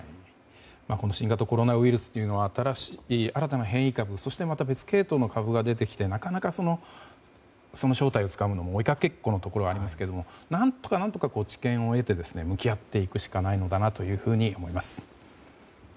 この新型コロナウイルスというのは新たな変異株そしてまた別系統の株が出てきてなかなかその正体をつかむのも追いかけっこのところがありますが何とか知見を得て向き合っていくしかないのかなと思います。